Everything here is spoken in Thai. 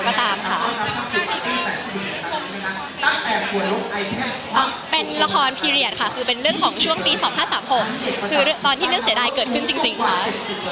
การที่เขาให้เกียรติมาด้วยว่าไม่ใช่แบบรวบหัวรูปห่างรวบรัดเหล่า